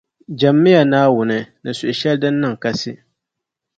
Jɛmmi ya Naawuni ni suhu shεli din niŋ kasi.